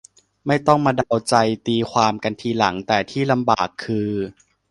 ไม่ต้องมาเดาใจตีความกันทีหลัง แต่ที่ลำบากคือ